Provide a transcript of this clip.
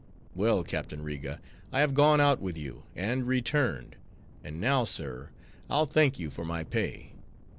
Well, Captain Riga, I have gone out with you, and returned; and now, sir, I'll thank you for my pay."